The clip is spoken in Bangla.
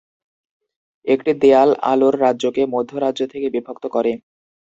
একটি দেয়াল আলোর রাজ্যকে মধ্য রাজ্য থেকে বিভক্ত করে।